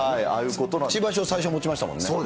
くちばしを最初に持ちましたもんね。